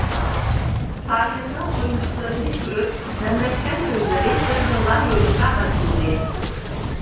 تاھىرنىڭ ئويۇنچۇقلىرىنى كۆرۈپ، نەملەشكەن كۆزلىرى بىردىنلا يورۇشقا باشلىدى.